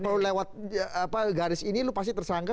kalau lewat garis ini lu pasti tersangka